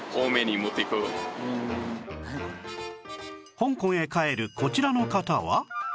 香港へ帰るこちらの方は